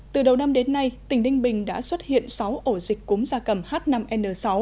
từ đầu năm đến nay tỉnh ninh bình đã xuất hiện sáu ổ dịch cúm da cầm h năm n sáu